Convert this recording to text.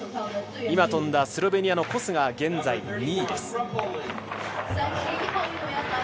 今飛んだスロベニアのコスが現在２位です。